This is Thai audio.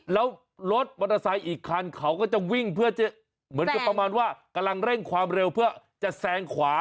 แล้วรถมอเตอร์ไซค์อีกคันเขาก็จะวิ่งเพื่อจะเหมือนกับประมาณว่ากำลังเร่งความเร็วเพื่อจะแซงขวา